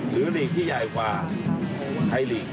ลีกที่ใหญ่กว่าไทยลีก